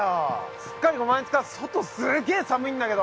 すっかりご満悦か外すげえ寒いんだけど！